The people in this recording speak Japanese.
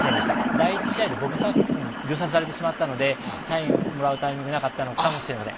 第１試合でボブ・サップに秒殺されてしまったのでサインをもらうタイミングがなかったのかもしれません。